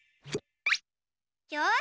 よし！